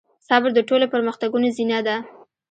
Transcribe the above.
صبر د ټولو پرمختګونو زينه ده.